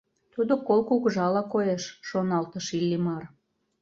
Тудо кол кугыжала коеш, — шоналтыш Иллимар.